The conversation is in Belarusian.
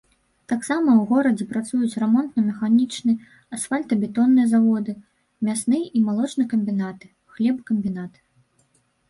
Таксама ў горадзе працуюць рамонтна-механічны, асфальтабетонны заводы, мясны і малочны камбінаты, хлебакамбінат.